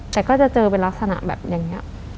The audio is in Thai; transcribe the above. แต่ก็จะเจอเป็นลักษณะแบบอย่างนี้